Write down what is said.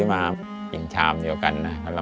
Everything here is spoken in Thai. ทาราบังชุดรับแขกเนี่ยออกวางแผงในปีภศ๒๕๔๖ค่ะ